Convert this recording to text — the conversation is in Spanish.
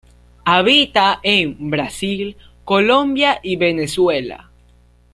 Habita en Brasil, Colombia y Venezuela.